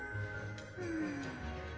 うん？